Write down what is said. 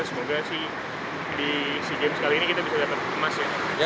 semoga sih di sea games kali ini kita bisa dapat emas ya